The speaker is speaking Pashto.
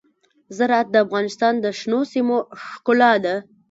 زراعت د افغانستان د شنو سیمو ښکلا ده.